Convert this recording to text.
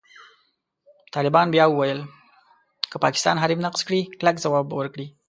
طالبان بیا وویل، که پاکستان حریم نقض کړي، کلک ځواب به ورکړي.